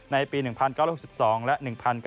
ในปี๑๙๖๒และ๑๙๙